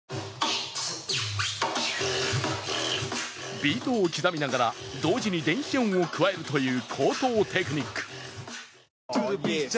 ビートを刻みながら、同時に電子音を加えるという高等テクニック。